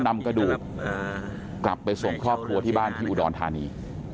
นำกระดูกกลับไปส่งครอบครัวที่บ้านที่อุดรธานี